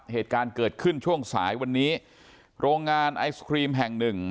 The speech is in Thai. เหตุการณ์เกิดขึ้นช่วงสายวันนี้โรงงานไอศครีมแห่งหนึ่ง